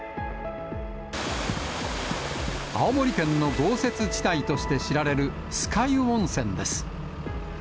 青森県の豪雪地帯として知られる酸ヶ湯温泉です。